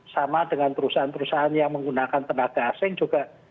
sama dengan perusahaan perusahaan yang menggunakan tenaga asing juga